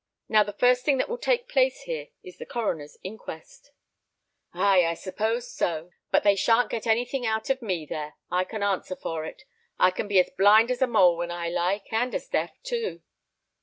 Now the first thing that will take place here is the coroner's inquest." "Ay! I suppose so," said Connor; "but they shan't get anything out of me there, I can answer for it. I can be as blind as a mole when I like, and as deaf too."